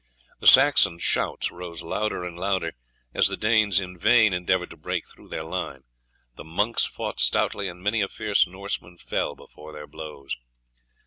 The Saxon shouts rose louder and louder as the Danes in vain endeavoured to break through their line. The monks fought stoutly, and many a fierce Norseman fell before their blows.